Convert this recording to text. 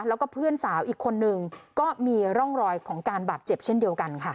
แล้วก็เพื่อนสาวอีกคนนึงก็มีร่องรอยของการบาดเจ็บเช่นเดียวกันค่ะ